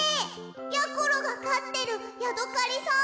やころがかってるヤドカリさん！？